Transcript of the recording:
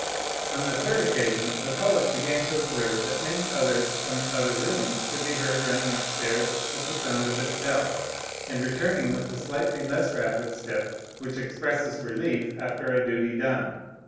On the third occasion the poet began to observe that many others from the other rooms could be heard nmning upstairs at the sound of this bell, and returning with the slightly less rapid step u,y,u.«u by Google THE POET IN PARLIAMENT 217 which expresses relief after a duty done.